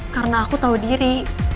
karena aku tau diri